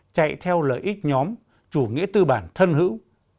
chạy theo lợi ích nhóm chủ nghĩa tư bản thân hữu